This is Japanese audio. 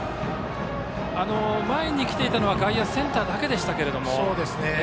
前に来ていたのは外野はセンターだけでしたが。